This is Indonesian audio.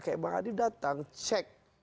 kayak bang adi datang cek